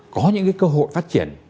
có những cái cơ hội phát triển